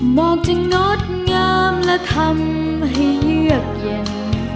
หมอกจะงดงามและทำให้เยือกเย็น